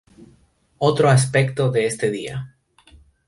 Otro aspecto de este día.